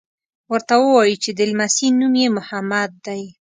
ورته ووایي چې د لمسي نوم یې محمد دی.